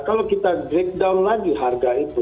kalau kita breakdown lagi harga itu